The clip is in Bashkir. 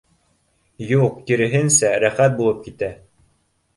— Юҡ, киреһенсә, рәхәт булып китә